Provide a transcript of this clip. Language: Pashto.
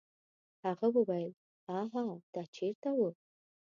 هغه وویل: هاها دا چیرته و؟